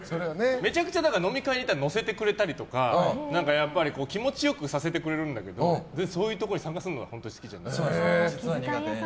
めちゃくちゃ飲み会行ったら乗せてくれたりとか気持ちよくさせてくれるんだけどそういうところに参加するのが好きじゃないという。